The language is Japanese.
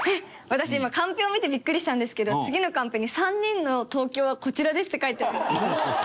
私今カンペを見てビックリしたんですけど次のカンペに「３人の“東京”はコチラです！」って書いてある。